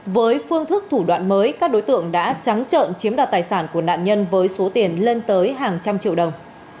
với phương thức thủ đoạn mới các đối tượng đã trắng trợn chiếm đoạt tài sản của nạn nhân với số tiền lên tới hàng trăm triệu đồng